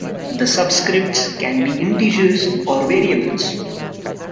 The subscripts can be integers or variables.